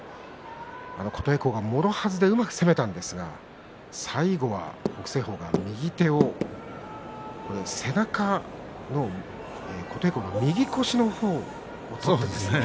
琴恵光が、もろはずでうまく攻めたんですが最後は北青鵬が右手を背中の右腰の方ですね。